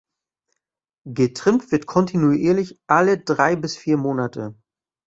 Getrimmt wird kontinuierlich alle drei bis vier Monate.